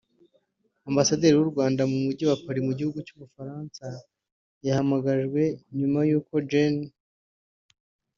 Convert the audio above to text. Ambasaderi w’u Rwanda mu mujyi wa Paris mu gihugu cy’u Bufaransa yahamagajwe nyuma y’uko Gen